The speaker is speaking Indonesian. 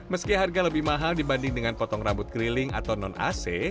meski harga lebih mahal dibanding dengan potong rambut keliling atau non ac